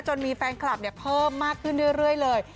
จนมีแฟนคลับเพิ่มมากขึ้นเรื่อยเลย